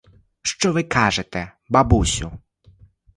Що ви кажете, бабусю?